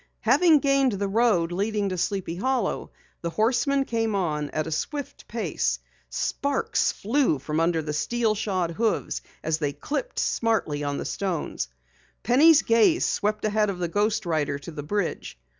Having gained the road leading to Sleepy Hollow, the horseman came on at a swift pace. Sparks flew from the steel shod hoofs as they clipped smartly on the stones. Penny's gaze swept ahead of the ghost rider to the bridge.